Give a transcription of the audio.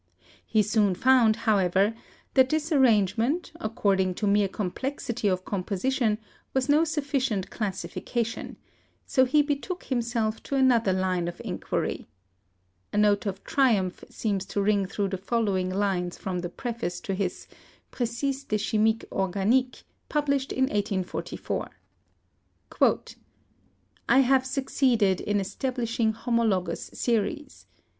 He soon found, however, that this arrangement, according to mere complexity of composition, was no sufficient classification, so he betook himself to another line of inquiry, A note of triumph seems to ring through the following lines from the preface to his "Precis de Chimie Organique," published in 1844: "I have succeeded in establishing homologous series.